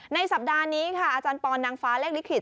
สัปดาห์นี้ค่ะอาจารย์ปอนนางฟ้าเลขลิขิต